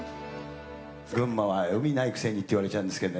群馬は海ないくせにって言われちゃうんですけどね。